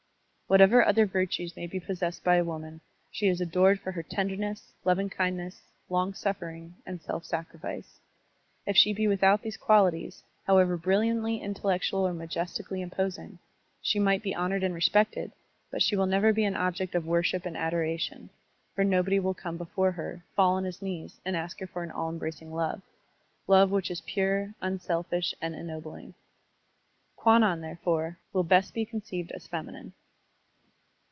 Whatever other virtues may be possessed by woman, she is adored for her tenderness, loving kindness, longsuffering, and self sacrifice. If she be without these qualities, however brilliantly intellectual or majestically imposing, she might be honored and respected, but she will never be an object of worship and adoration, for nobody will come before her, fall on his knees, and ask her for an all embracing love — ^love which is pure, unselfish, and ennobling. Kwannc«i, therefore, will best be conceived as feminine.